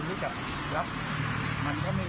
กูถามห้างั้นไหม